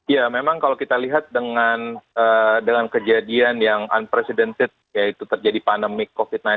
ya memang kalau kita lihat dengan kejadian yang unprecedented yaitu terjadi pandemi covid sembilan belas